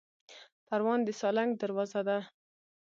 پروان د سالنګ دروازه ده